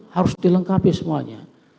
harus dilengkapi semuanya